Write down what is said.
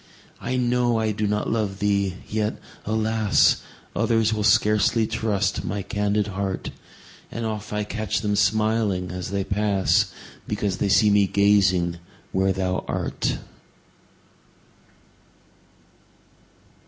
I know I do not love thee! yet, alas! Others will scarcely trust my candid heart; And oft I catch them smiling as they pass, Because they see me gazing where thou art.